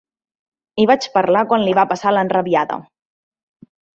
Hi vaig parlar quan li va passar l'enrabiada.